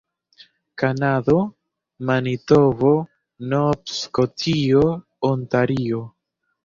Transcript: Kanado: Manitobo, Nov-Skotio, Ontario.